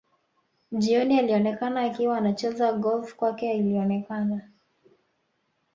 Jioni alionekana akiwa anacheza golf kwake ilionekana